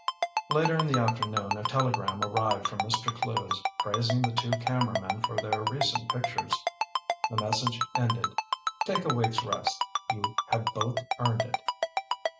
Later in the afternoon a telegram arrived from Mr. Clewes, praising the two cameramen for their recent pictures. The message ended: "Take a week's rest. You have both earned it."